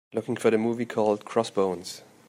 Looking for the movie called Crossbones